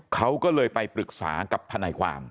เขาก็เลยไปปรึกษากับทนายความ